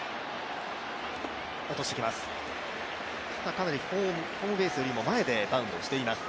かなりホームベースよりも前でバウンドしています。